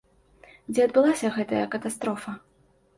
Дзе адбылася гэтая катастрофа?